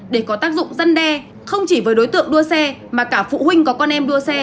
để có tác dụng dân đe không chỉ với đối tượng đua xe mà cả phụ huynh có con em đua xe